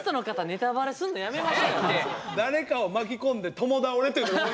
誰かを巻き込んで共倒れという。